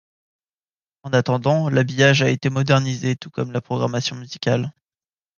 En attendant, l'habillage a été modernisé tout comme la programmation musicale.